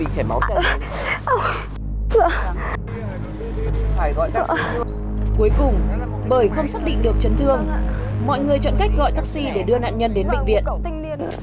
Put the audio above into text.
cuối cùng bởi không xác định được chấn thương mọi người chọn cách gọi taxi để đưa nạn nhân đến bệnh viện thanh niên